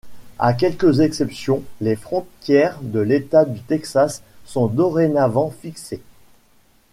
À quelques exceptions, les frontières de l'État du Texas sont dorénavant fixées.